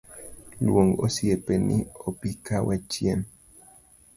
Luong osiepeni obika wachiem.